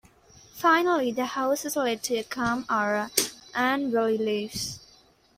Finally, the house is led to a calm aura, and Willie leaves.